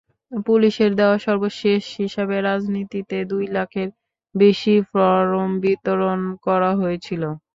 পুলিশের দেওয়া সর্বশেষ হিসাবে রাজধানীতে দুই লাখের বেশি ফরম বিতরণ করা হয়েছিল।